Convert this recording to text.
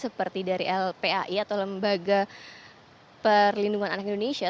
seperti dari lpai atau lembaga perlindungan anak indonesia